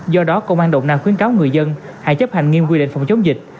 do đó công an đồng nai khuyến cáo người dân hãy chấp hành nghiêm quy định phòng chống dịch